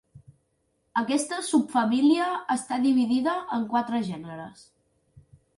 Aquesta subfamília està dividida en quatre gèneres.